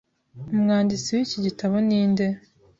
Umwanditsi w'iki gitabo ni nde?